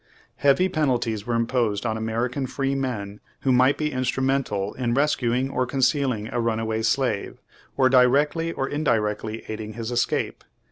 Heavy penalties were imposed on American free men who might be instrumental in rescuing or concealing a runaway slave, or directly or indi rectly aiding his escape.